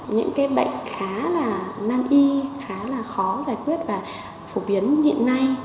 những cái bệnh khá là nan y khá là khó giải quyết và phổ biến hiện nay